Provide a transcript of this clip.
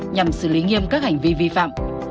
nhằm xử lý nghiêm các hành vi vi phạm